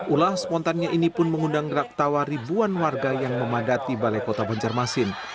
ulah spontannya ini pun mengundang gerak tawa ribuan warga yang memadati balai kota banjarmasin